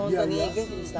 元気でした？